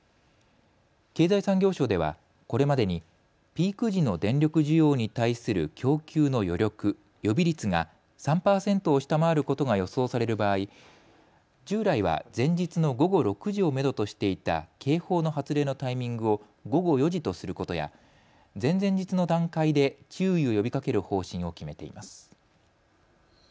経済産業省ではこれまでにピーク時の電力需要に対する供給の余力・予備率が３％を下回ることが予想される場合、従来は前日の午後６時をめどとしていた警報の発令のタイミングを午後４時とすることや前々日の段階で注意を呼びかける方針を決めています。